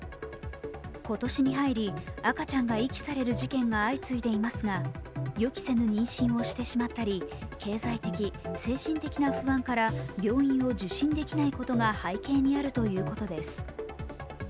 今年に入り、赤ちゃんが遺棄される事件が相次いでいますが、予期せぬ妊娠をしてしまったり経済的・精神的な不安から病院を受診できないことが背景にあるということです。